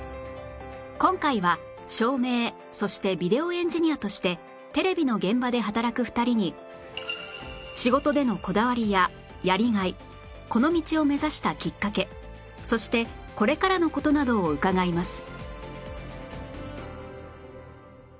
今回は照明そしてビデオエンジニアとしてテレビの現場で働く２人に仕事でのこだわりややりがいこの道を目指したきっかけそしてこれからの事などを伺います